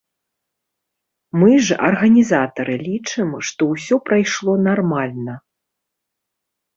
Мы ж, арганізатары, лічым, што ўсё прайшло нармальна.